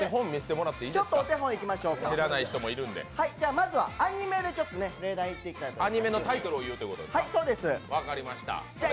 まずはアニメで例題やっていきたいと思います。